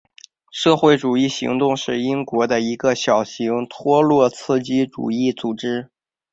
社会主义行动是英国的一个小型托洛茨基主义组织。